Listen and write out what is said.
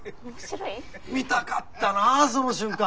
見たかったなその瞬間！